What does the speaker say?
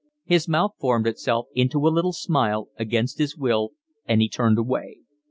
His mouth formed itself into a smile against his will, and he turned away.